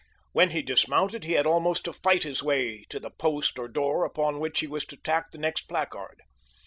When he dismounted he had almost to fight his way to the post or door upon which he was to tack the next placard.